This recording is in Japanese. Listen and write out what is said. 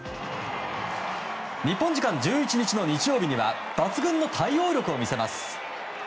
日本時間１１日の日曜日には抜群の対応力を見せます。